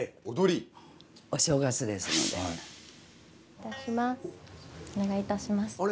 お願いいたします。